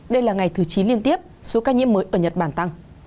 đây là ngày thứ chín liên tiếp số ca nhiễm mới ở nhật bản tăng